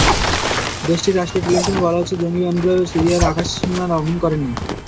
দেশটির রাষ্ট্রীয় টেলিভিশনে বলা হয়েছে, জঙ্গি বিমানগুলো সিরিয়ার আকাশসীমা লঙ্ঘন করেনি।